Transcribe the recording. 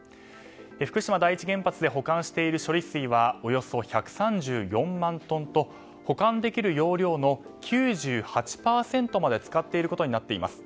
福島第一原発で保管している処理水はおよそ１３４万トンと保管できる容量の９８％まで使っていることになっています。